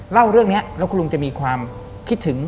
เล่าเรื่องนี้แล้วคุณลุงจะมีความคิดถึง